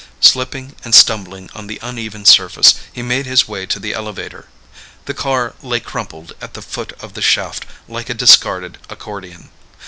Slipping and stumbling on the uneven surface, he made his way to the elevator. The car lay crumpled at the foot of the shaft like a discarded accordian.